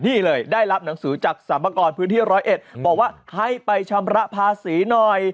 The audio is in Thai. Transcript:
นี่เลยได้รับหนังสือจากสรรพากรพื้นที่ร้อยเอ็ดบอกว่าให้ไปชำระภาษีหน่อย